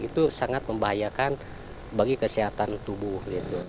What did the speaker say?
itu sangat membahayakan bagi kesehatan tubuh